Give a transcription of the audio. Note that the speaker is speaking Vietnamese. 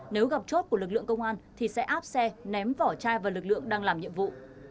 nếu gặp chốt của lực lượng công an thì sẽ áp xe ném vỏ chai và lực lượng đang làm nhiệm vụ